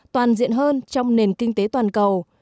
toàn diện hơn trong nền kinh tế toàn cầu